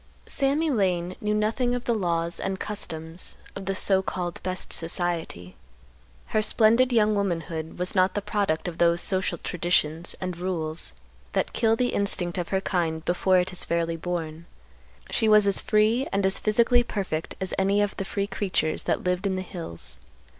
Sammy Lane knew nothing of the laws and customs of the, so called, best society. Her splendid young womanhood was not the product of those social traditions and rules that kill the instinct of her kind before it is fairly born. She was as free and as physically perfect as any of the free creatures that lived in the hills.